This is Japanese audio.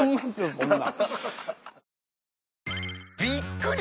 そんな。